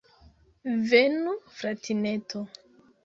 Venu, fratineto!